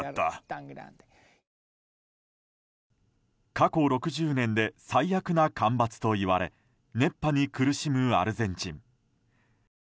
過去６０年で最悪な干ばつといわれ熱波に苦しむアルゼンチン。